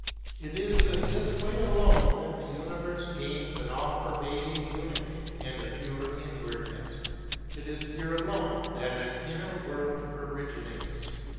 It is in this way alone that the Universe gains SPECULATIVE PHILOSOPHY 47 an all pervading unity and a pure inward ness; it is here alone that an inner world originates.